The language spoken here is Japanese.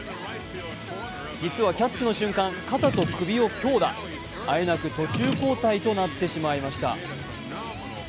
実はキャッチの瞬間、肩と首を強打あえなく途中交代となってしまいました。